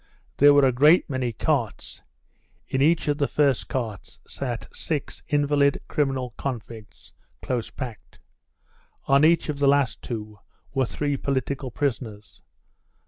There were a great many carts. In each of the first carts sat six invalid criminal convicts, close packed. On each of the last two were three political prisoners.